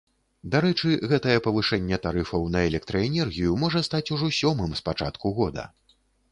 Дарэчы, гэтае павышэнне тарыфаў на электраэнергію можа стаць ужо сёмым з пачатку года.